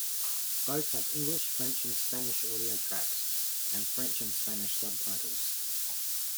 Both have English, French, and Spanish audio tracks and French and Spanish subtitles.